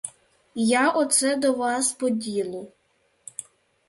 Я оце до вас по ділу.